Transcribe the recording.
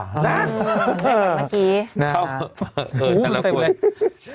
เหมือนแบบเมื่อกี้